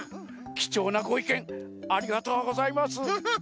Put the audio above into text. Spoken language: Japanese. きちょうなごいけんありがとうございます。